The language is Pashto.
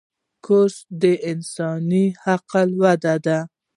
کورس د انساني عقل وده ده.